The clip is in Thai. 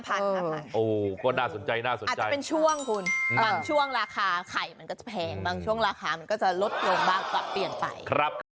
ก็น่าสนใจน่าสนใจอาจจะเป็นช่วงคุณบางช่วงราคาไข่มันก็จะแพงบางช่วงราคามันก็จะลดลงบ้างปรับเปลี่ยนไป